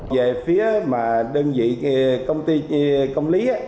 về phía đơn vị công lý